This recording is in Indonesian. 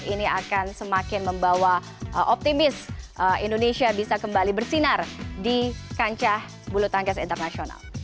ini akan semakin membawa optimis indonesia bisa kembali bersinar di kancah bulu tangkis internasional